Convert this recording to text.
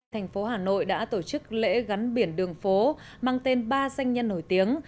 thành phố hà nội đã tổ chức lễ gắn biển đường phố mang tên ba danh nhân nổi tiếng